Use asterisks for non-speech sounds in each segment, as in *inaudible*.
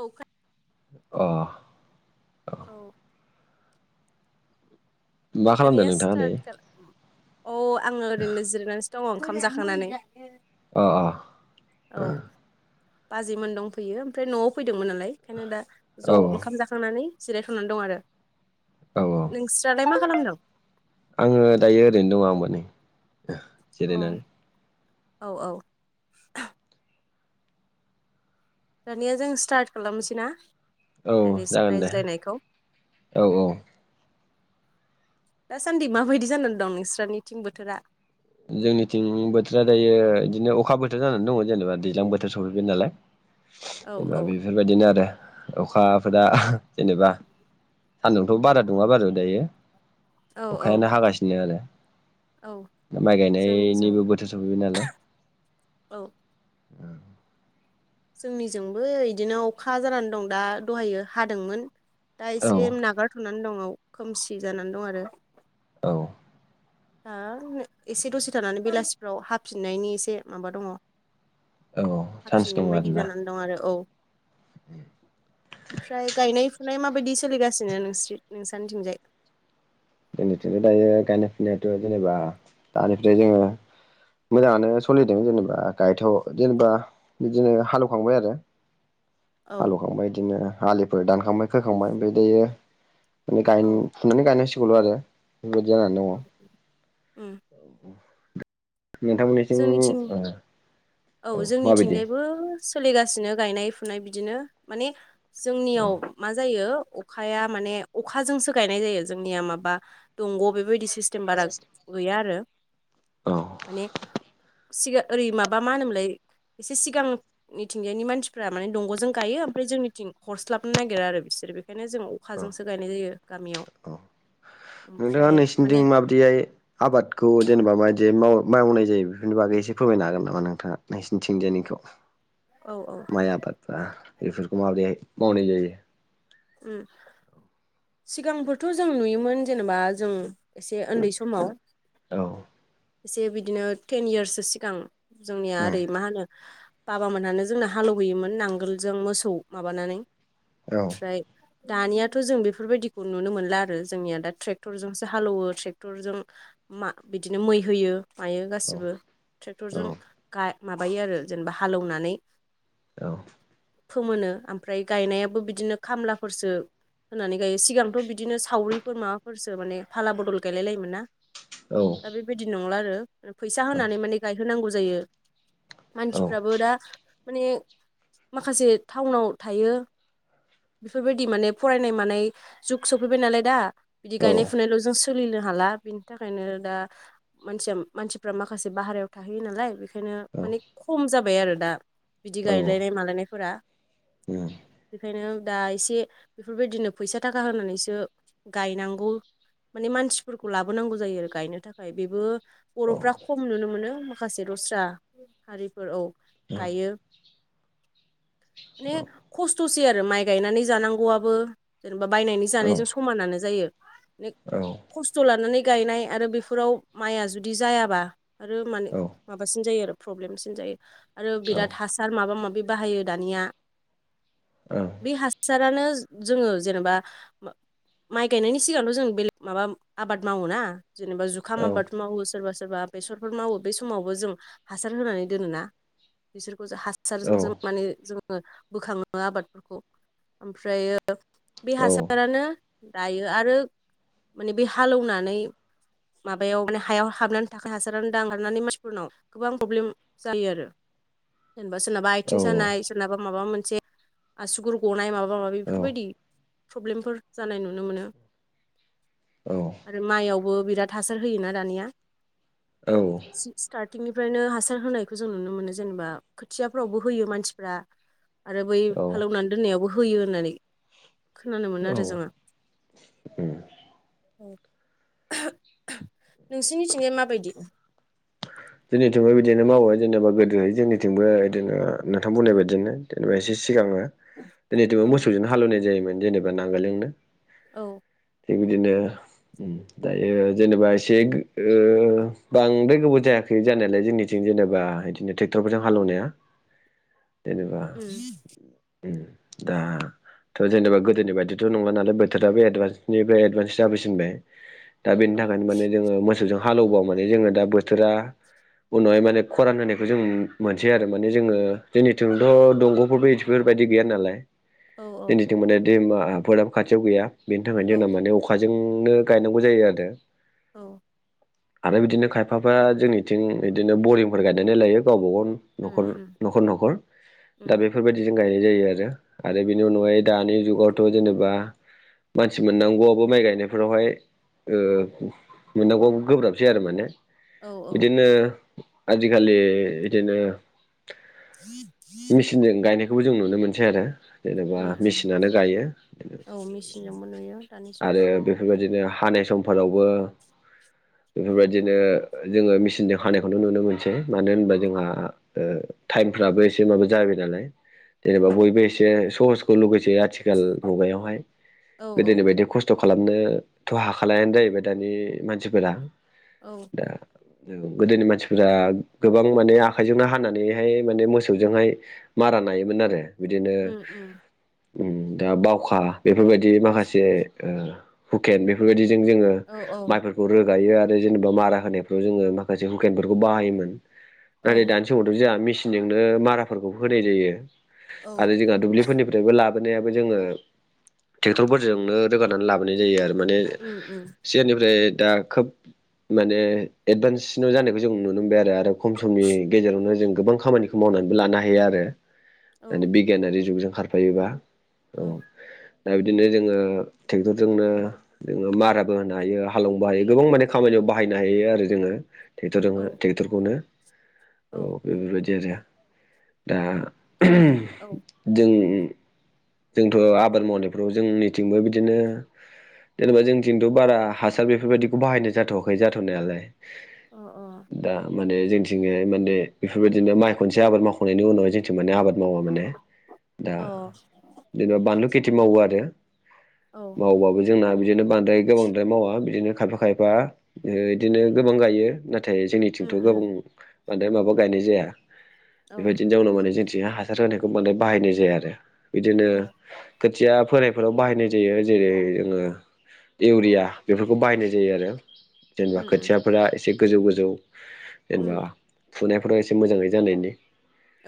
औ खो अ औ मा खालामदों दानिया नोंथाङा दायो स्तार्त खालाम अ आङो ओरैनो जिरायना नैसो दङ ओंखाम जाखांनानै। अ अ औ बाजैमोन दंफैयो ओमफ्राय न'आव फैय दोंमोन नालाय ओंखायनो दा औ ज' ओंखाम जाखांनानै जिरायथ'नानै दं आरो। औ औ नोंस्रालाय मा खालामदों आङो दायो ओरैनो दङ आंबो नै। जिरायनानै। औ औ दानिया जों स्तार्त खालामसै ना? औ जागोन दे रायज्लायनायखौ औ। दासान्दि माबायदि जानानै दं नोंस्रानिथिं बोथोरा? जोंनिथिं बोथोरा दायो इदिनो अखा बोथोर जानानै दङ जेनेबा दैज्लां बोथोर सफैबाय नालाय। औ जेनेबा औ बेफोरबायदिनो आरो। अखाफोरा जेनेबा सान्दुंथ' बारा दुङा बारु दायो। औ औ अखायानो हागासिनो आरो। औ माय जोंनिजों गायनायनिबो बोथोर सफैबाय नालाय। औ जोंनिजोंबो इदिनो अखा जानान दं दा दहायो दा औ एसे नागारथ'नानै दं खोमसि जानान दं आरो। औ दा एसे दसे थानानै बेलासिफ्राव हाफिननायनि एसे माबा दङ' औ चान्स दङ हाफिनगोन बायदि आरोना जानान दं आरो औ। ओमफ्राय गायनाय फुनाय मा बायदि सोलिगासिनो नोंस्रि नोंसानिथिंजाय? जोंनिथिंथ' दायो गायनाय फुनायाथ' जेनेबा दानिफ्राय जोङो मोजाङानो सलिदों जेनेबा गायथ' जेनेबा बिदिनो हालौखांबाय आरो। औ हालौखांबाय इदिनो आलिफोर दानखांबाय खोखांबाय ओमफ्राय दायो माने गायन औ फुनानै गायनां सिगौल' आरो। बेबायदि जानानै दङ। उम नोंथांमोननिथिं जोंनिथिं ओ औ जोंनिथिंजायबो सोलिगासिनो गायनाय फुनाय बिदिनो माने औ जोंनियाव मा जायो अखाया माने अखाजोंसो गायनाय जायो जोंनिया माबा दंग' बेबायदि सिसतेम बारा गैया आरो औ माने सिगा ओरै माब बा मा होनोमोनलाय? एसे सिगां इथिंजायनि मानसिफ्रा माने दंग'जों गायो ओमफ्राय जोंनिथिं हरस्लाबनो नागिरा आरो बिसोर बे बेखायनो जों औ अखाजोंसो गायनाय जायो गामियाव। औ नोंथाङा ओमफ्राय माने नोंसिनिथिं माबायदिहाय आबादखौ जेनेबा माबायदि जे माव-मावनाय जायो बेफोरनि बागै एसे फोरमायनो हागोन नामा नोंथाङा नोंसिनिथिंजायनिखौ। औ औ माय आबादखौ बेफोरखौ माबोरै मावनाय जायो? उम। सिगांफोरथ' जों नुयोमोन जेनेबा जों एसे उन्दै समाव औ। एसे बिदिनो टेन इयार्ससो सिगां जोंनिया उम ओरै मा होनो बाबामोनहानो जोंनो हालेवबोयोमोन नांगोलजों मोसौ माबानानै औ ओमफ्राय दानियाथ' जों बेफोरबायदिखौ नुनो मोनला आरो जोंनिया दा ट्रेक्टरजोंसो हालेवो ट्रेक्टरजों। मा बिदिनो मै होयो। मायो गासिबो औ ट्रेक्टरजों माबायो आरो जेनेबा हालेवनानै। औ। फोमोनो ओमफ्राय गायनायाबो बिदिनो खामलाफोरसो होननानै गायो सिगांथ' बिदिनो सावरिफोर माबाफोरसो माने फाला बदल गायलाय लायोमोन ना। दा औ बेबायदि नंला आरो फैसा औ होनानै माने गायहोनांगौ जायो। मानसिफ्राबो दा माने माखासे टाउनाव थायो। बेफोरबायदि माने फरायनाय मानाय जुग सफैबाय नालाय दा बिदि गायनाय फुनायल' जों सोलिनो हाला बिनि थाखायनो दा मानसिया मानसिफ्रा माखासे बाहेरायाव थाहैयो नालाय। ओंखायनो माने खम जाबाय आरो दा। बिदि गायलायनाय मालायनायफोरा बेखायनो दा एसे बेफोरबायदिनो फैसा थाखा होनानैसो गायनांगौ। माने मानसिफोरखौ लाबोनांगौ जायो आरो गायनो थाखाय बेबो बर'फ्रा खम नुनो मोनो माखासे दस्रा हारिफोर औ गायो माने खस्थ'सै आरो माइ गायनानै जानांगौआबो जा बायनानै जानायजों समानानो जायो खस्थ' लानानै गायनाय आरो बेफोराव माइआ जुदि जायाबा आरो माने माबासिन जायो आरो प्रब्लेमसिन जायो आरो बिराद हासार माबा माबि बाहायो दानिया जोंनिथिंबो बे हासारानो जोङो जेनेबा माइ गायनायनि सिगांल' जों बेलेग माबा आबाद मावो ना। जेनबा जुखाम आबाद मावो सोर बा सोर सोरबा बेसरफोर मावो बे समावबो जों हासार होनानै दोनोना बेस हासार जोंनो माने जों बोखांङो आबादफोरखौ ओमफ्रायो बे हासारानो दायो आरो माने बे हालेवनानै। माबायाव माने हायाव हाबनानै थाखाय हासार दांगारनानै मानसिफोरनाव गोबां प्रब्लेम जायो आरो। *inaudible* जेनेबा सोरनाबा आथिं सानाय सोरनाबा माबा मोनसे आसुगुर गनाय माबा माबि बेफोरबायदि प्रब्लेमफोर जानाय नुनो मोनो आरो माइआव बो बिराद हासार होयोना दानिया औ। फ्रायनो हासार होनायखौ जों नुनो मोनो जेनेबा खोथियाफ्रावबो होयो मानसिफ्रा। आरो बै हालेवनानै दोननायावबो होयो होननानै खोनानो मोनो आरो जोङो। *unintelligible* नोंसिनिथिंजाय माबायदि जोंनिथिंबो बिदिनो मावो जेनेबा गोदो जोंनिथिंबो इदिनो नोंथां बुंनाय बायदिनो जेनेबा एसे सिगाङो दिनैथ' औ मोसौजों हालेवनाय जायोमोन जेनेबा नांगोलजोंनो औ थिग बिदिनो उम दायो जेनेबा एसे ओ बांद्राय गोबाव जाया जायाखै जानायालाय जोंनिथिं जेनेबा इदिनो ट्रेक्टरफोरजों हालेवनाया जेनेबा उम उम दा थ' जेनेबा गोदोनि बायदिथ' नंला नालाय बोथोराबो एडभान्सनिफ्राय एडभान्स जाफैसिनबाय दा बेनि औ थाखायनो माने जोङो मोसौजों हालोवबा माने जोङो दा बोथोरा उनावहाय माने खरान होनायखौ जों मोनसै आरो माने जोङो जोंनिथिंथ' दंगफोरबो इदि बेफोरबायदि गैया नालाय औ औ जोंनिथिं माने दैमाफोराबो खाथियाव गैया बेनि थाखायनो औ जोंना माने अखाजों नो गायनांगौ जायो आरो औ आरो बिदिनो खायफाफोरा जोंनिथिं इदिनो बरिंफोर गायनानै लायो गावबा गाव ओम उम नखर उम नखर नखर दा उम बेफोरबायदि गायनाय जायो आरो आरो बेनि अनगायै दानि जुगावथ' जेन'बा मानसि मोननांगौआबो माइ गायनायफोरावहाय ओ मोननांगौआबो गोब्राबसै आरो माने औ औ बिदिनो आजिखालि इदिनो *unintelligible* बेखौ जों नुनो मोनसै आरो जेनेबा उम उम मेसिनानो गायो औ मेचिनजोंबो नुयो दानि आरो जुगाव बेफोरबायदिनो हानाय समफोरावबो बेफोरबायदिनो जोङो मेचिनजों हानायखौनो नुनो मोनसै मानो होनबा जोंहा ओ टाइमफ्राबो एसे माबा जाबाय नालाय जेनेबा औ बयबो एसे सहसखौ लुगै सै आथिखाल मुगायावाय औ औ गोदोनि बायदि खस्थ' खालामनोथ' हाखालायानो जाहैबाय दानि मानसिफोरा औ दा ओ गोदोनि मानसिफोरा गोबां माने आखाइजोंनो हानानैहाय माने मोसौजोंहाय मारा नायोमोन आरो बिदिनो उम उम ओम दा बावखा बेफोरबायदि माखासे ओ हुकेन बेफोरबायदिजों जोङो औ औ माइफोरखौ रोगायो आरो जेनेबा मारा होनाय फोराव जोङो माखासे हुखेनफोरखौ बाहायोमोन ना औ दानि समावथ' जोंहा मेस बजोंनो माराफोरखौ होनाय जायो औ आरो जोङा दुब्लिफोरनिफ्राय लाब लाबोनायाबो जोङो ट्रेक्ट'रफोरजोंनो रोगानानै लाबोनाय जायो आरो माने उम उम सिगांनिफ्राय दा खोब माने एडभान्ससिनाव जानायखौ जों नुनो मोनबाय आरो आरो खम समनि गेजेरावनो जों गोबां खामानिखौ मावनानैबो लानो हायो आरो औ दानि बिगियानारि जुगजों खारफायोबा औ दा बिदिनो जोङो टेक्ट'रजोंनो जोङो माराबो होनो हायो हालवनोबो हायो गोबां माने खामानियाव बाहायनो हायो आरो जोङो टेक्टरजोंनो औ टेक्टरखौनो औ बेफोरबायदि आरो दा दा औ *unintelligible* जों जोंथ' आबाद मावनायफ्राव जोंनिथिंबो बिदिनो जेनेबा जोंथिंथ' बारा हासार बेफोरबायदिखौ बाहायनाय जाथ'वाखै जाथ'नायालाय अ दा माने जोंथिंजाय माने बेफोरबायदिनो माइ खनसे आबाद मावखांनायनि उनावहाय जोंथिं माने आबाद मावा माने दा अ बानलु खेथि मावो आरो औ मावबाबो जोंना बिदिनो बांद्राय गोबांद्राय मावा बिदिनो खायफा खायफा ओ इदिनो गोबां गायो नाथ नाथाय जोंनिथिंथ' उम गोबां उम बांद्राय माबा गायनाय जाया औ बेबायदिनो जावनाव माने जोंथिं हासार होनायखौ बांद्राय बाहायनाय जाया आरो बिदिनो औ खोथिया फोनायफोराव बाहायनाय जायो जेरै जोङो इउरिया बेफोरखौ बाहायनाय जायो आरो जेनेबा उम उम खोथियाफोरा एसे गोजौ गोजौ जेनेबा उम फुनायफोराव एसे मोजाङै जानायनि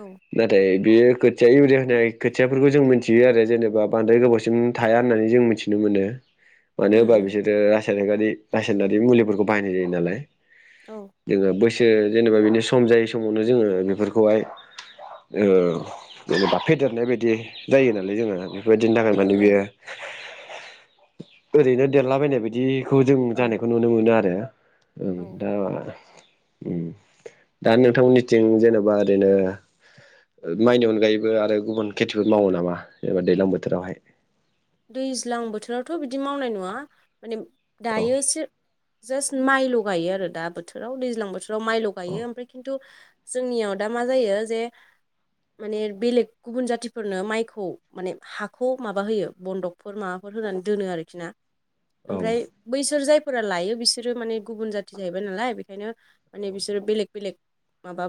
औ नाथाय बेयो खोथिया इउरिया होनाय खो थियाफोरखौ जों मोनथियो आरो जेनेबा बांद्राय गोबावसिम थाया होननानै जों मिथिनो मोनो मानो उम होमबा उम बिसोरो रासायनारि रासायनारि मुलिफोरखौ बाहायनाय जायो नालाय औ जोङो बैसो जेनेबा बिनि सम जायै समावनो जोङो बेफोरखौहाय ओ जेनेबा फेदेरनाय बाय दि जायो नालाय जोङो बेफोरबायदिनि थाखाय माने ओ बेयो ओरैनो देरलाबायनाय बायदिखौ जों ओ औ जानायखौ नुनो मोनो आरो ओं औ दा‌ मा‌ उम दा नोंथांमोननिथिं जेनेबा ओरैनो माइनि अनगायैबो आरो गुबुन खेथिफोर मावो नामा जेनेबा दैलां बोथोरावहाय दैज्लां बोथोरावथ बिदि मावनाय नुवा माने औ दायोसो जास्ट माइल गायो आरो दा बोथोराव दैज्लां बोथोराव माइल औ गायो ओमफ्राय खिन्थु जोंनियाव दा मा जायो जे माने बेलेग गुबुन जातिफोरनो माइखौ माने हाखौ माबा होयो बन्दकफोर माबाफोर होनानै दोनो आरोखि ना ओमफ्राय बैसोर जाय फोरा लायो बिसोरो माने गुबुन जाथि जाहैबाय नालाय बेखायनो माने बिसोरो बेलेग बेलेग माबा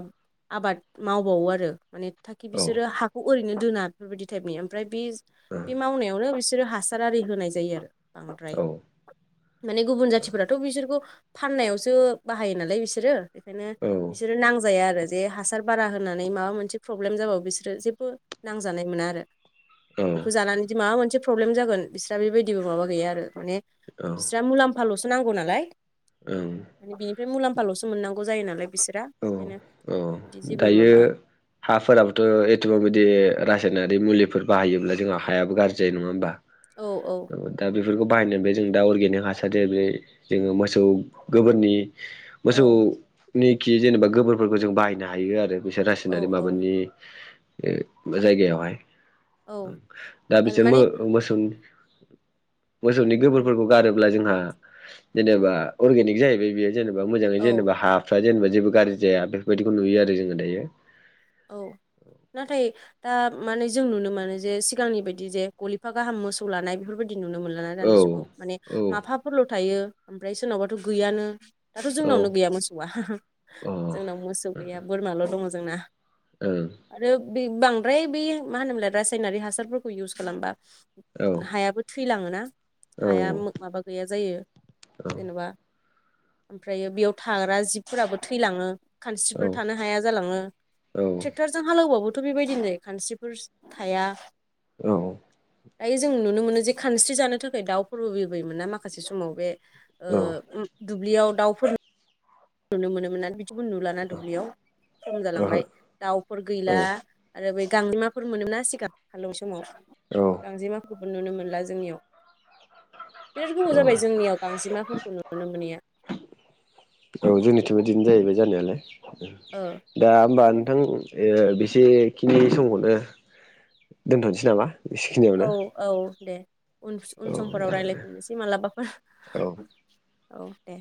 आबाद मावबावो आरो माने थाकि औ बिसोरो हाखौ ओरैनो दोना बेफोरबायदि टाइपनि ओमफ्राय बे बे मावनायावनो बिसोरो हासार आरि होनाय जायो आरो बांद्राय औ माने गुबुन जाथिफोराथ बिसोरखौ फाननायावसो बाहायो नालाय बिसोरो बेखायनो औ ओं बिसोरो नांजाया आरो जे हासार बारा होनानै माबा मोनसे प्रब्लेम जाबाबो बिसोरो जेबो नांजानाय मोना आरो औ बेखौ जानानैदि माबा मोनसे प्रब्लेम जागोन बिस्रा बेबायदिबो माबा गैया आरो माने बिस्रा मुलाम्फालसो नांगौ नालाय ओं ओमफ्राय मुलाम्फालसो मोननांगौ जायो नालाय बिसोरा औ बेखायनो औ बिदि जेबो दायो माबा हाफोराबोथ एथबां बिदि रा सायनारि मुलिफोर बाहायोब्ला जोंहा हायाबो गाज्रि जायो नङा होमबा औ औ दा बेफोरखौ बाहायनो बे जों दा अर्गेनिक हासारारि जोङो मोसौ गोबोरनि औ मोसौनिखि जेनेबा गोबोरफोरखौ जों बाहायनो हायो आरो बिसोर औ रासायनारि औ माबानि ओ जायगायावहाय औ दा आरो बिसोर मो माने मोसौनि मोसौनि औ गोबोरफोरखौ गारोब्ला जोंहा जेनेबा अर्गेनिक जाहैबाय बेयो जेनेबा मोजाङै औ जेनेबा हाफ्रा जेनेबा जेबो गाज्रि जाया बेफोरबायदिखौ नुयो आरो जोङो दायो औ नाथाय दा माने जों नुनो मोनो जे सिगांनि बायदि जे गलिफा गाहाम मोसौ लानाय बेफोरबाय दि नुनो मोनला ना दानि औ जुगाव माने औ माफाफोरल‌थायो ओमफ्राय सोरनावबाथ गैयानो दाथ औ अ ओं जोंनावनो गैया मोसौआ जोंनाव मोसौ गैया बोरमाल दं जोंना ओं आरो बे बांद्राय बे मा होनोमोनलाय रासायनारि हासारफोरखौ इउस खालामबा औ हायाबो थैलाङोना हाया माबा गैया जायो जेनेबा ओमफ्रायो बेयाव थाग्रा जिबफोराबो थैलाङो औ खानस्रिफोर थानो हाया जालाङो ओहो थेक्टरजों हालेवबाबोथ बेबायदिनो खानस्रिफोर थाया औ दायो जों नुनो मोनो जे खानस्रि जानो थाखाय दाउफोरबो बिरबायो मोना माखासे समाव बे ओ उम दुब्लियाव दाउफोर नुनो मोनोमोन ना बि दिखौनो नुलाना दुब्लियाव खम जालांबाय दाउफोर गैला आरो बै गांजेमाफोर मोनोमोनना सिगां हालेव समाव औ गांजेमाखौ नुनो मोनला जोंनियाव बिराद गोबाव औ जाबाय जोंनियाव गांजेमाफोरखौ नुनो मोनैया औ जोंनिथिबो बिदिनो जाहैबाय जानायालाय दा होमबा ओ नोंथां एसेखिनि समखौनो दोनथनोसै नामा औ बेसेखिनियावनो औ दे उनस उन औ समफोराव जागोन दे रायलायफिननोसै मालाबा औ औ दे